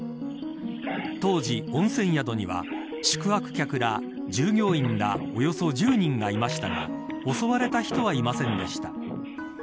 当時、温泉宿には宿泊客ら、従業員らおよそ１０人がいましたが襲われた人はいませんでした。